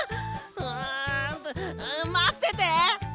うんとまってて！